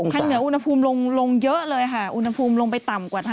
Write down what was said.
เหนืออุณหภูมิลงเยอะเลยค่ะอุณหภูมิลงไปต่ำกว่า